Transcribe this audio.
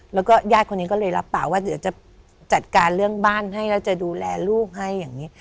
แล้วก็ญาติคนนี้ก็เลยรับปากว่าเดี๋ยวจะจัดการเรื่องบ้านให้แล้วจะดูแลลูกให้อย่างนี้